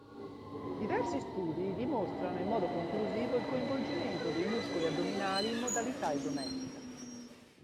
Diversi studi dimostrano in modo conclusivo il coinvolgimento dei muscoli addominali in modalità isometrica.